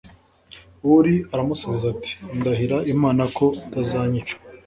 Uri Aramusubiza ati ndahira Imana ko utazanyica